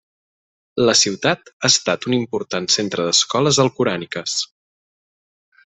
La ciutat ha estat un important centre d'escoles alcoràniques.